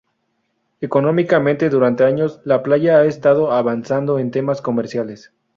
Económicamente, durante años La Playa ha estado avanzando en temas comerciales.